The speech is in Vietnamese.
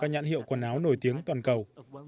nhiều quần áo nổi tiếng toàn cầu